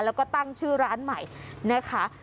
แล้วก็ตั้งชื่อร้านใหม่นะคะ